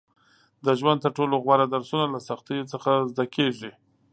• د ژوند تر ټولو غوره درسونه له سختیو څخه زده کېږي.